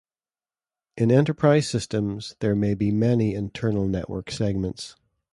In enterprise systems, there may be many internal network segments.